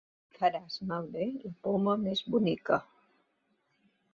Faràs malbé la poma més bonica.